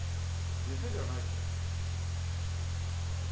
店じゃないでしょ。